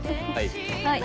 はい。